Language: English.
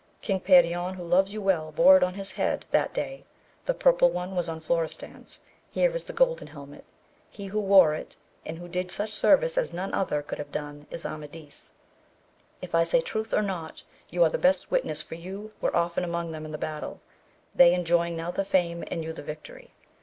— King Perion, who loves you well, bore it on his head that day; this purple one was Florestan's; here is the gol den helmet : he who wore it, and who did you such service as none other could have done, is Amadis. If I say truth or not you are the best witness, for you were often among them in the battle, they enjoying now the fame and you the victory.